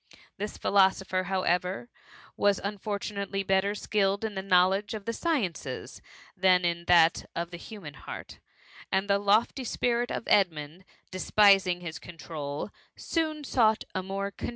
This philosopher, how ever, was unfortunately better skilled in the knowledge of the sciences, than in that of the human heart ; and the lofty spirit of Edmund, despising his control, soon sought a more con 92 THE MUMMT.